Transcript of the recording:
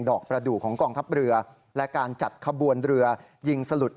อกประดูกของกองทัพเรือและการจัดขบวนเรือยิงสลุด